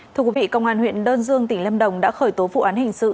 thưa quý vị công an huyện đơn dương tỉnh lâm đồng đã khởi tố vụ án hình sự